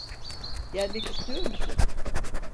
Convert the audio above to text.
Gelmek istiyor musun?